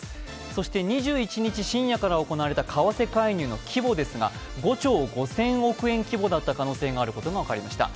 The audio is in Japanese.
そして、２１日深夜から行われた為替介入の規模ですが、５兆５０００億円規模だった可能性があることが分かりました。